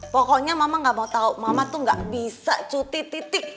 pokoknya mama nggak mau tau mama tuh nggak bisa cuti titik